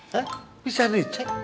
hah bisa di cek